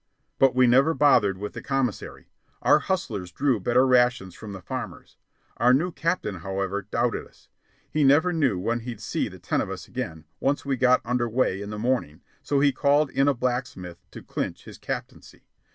But we never bothered with the commissary. Our hustlers drew better rations from the farmers. Our new captain, however, doubted us. He never knew when he'd see the ten of us again, once we got under way in the morning, so he called in a blacksmith to clinch his captaincy.